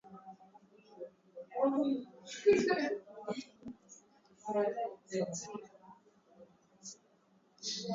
viazi lishe vina takiwa visiachwe mda mrefu ardhini